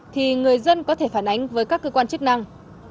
thì người dân có thể phản ánh với các cơ quan chức năng